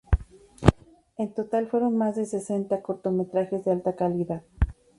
En total fueron más de sesenta cortometrajes de alta calidad.